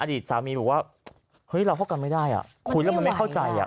อดีตสามีบอกว่าเฮ้ยเราเข้ากันไม่ได้อ่ะคุยแล้วมันไม่เข้าใจอ่ะ